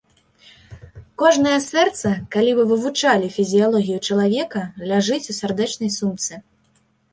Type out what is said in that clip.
Кожнае сэрца, калі вы вывучалі фізіялогію чалавека, ляжыць у сардэчнай сумцы.